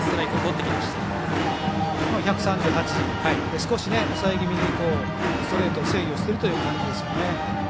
少し抑え気味にストレートを制御している感じですよね。